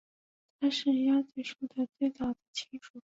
它是鸭嘴兽的最早的亲属。